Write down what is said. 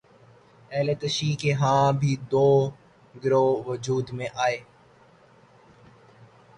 اہل تشیع کے ہاں بھی دو گروہ وجود میں آئے